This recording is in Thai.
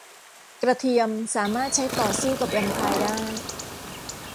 กระเทียมสามารถใช้ต่อสู้กับแวมไพร์ได้